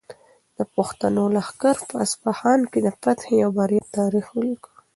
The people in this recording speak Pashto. د پښتنو لښکر په اصفهان کې د فتحې او بریا تاریخ ولیکه.